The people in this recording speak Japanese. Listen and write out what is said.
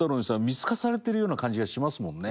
見透かされてるような感じがしますもんね。